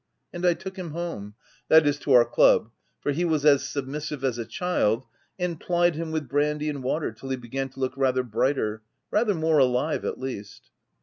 And I took him home — that is, to our club — for he was as submissive as a child, and plied him with brandy and water till he began to look rather brighter — rather more alive, at least.